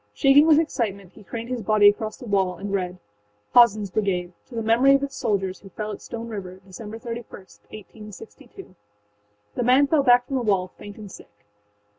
Shaking with excitement, he craned his body across the wall and read: Hazenâs Brigade to The Memory of Its Soldiers who fell at Stone River, Dec. 31, 1862. The man fell back from the wall, faint and sick.